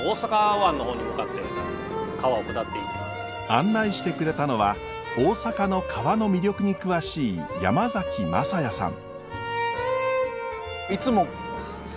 案内してくれたのは大阪の川の魅力に詳しい山崎昌哉さん。